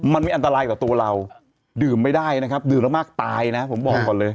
มันมีอันตรายต่อตัวเราดื่มไม่ได้นะครับดื่มแล้วมากตายนะผมบอกก่อนเลย